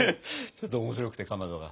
ちょっと面白くてかまどが。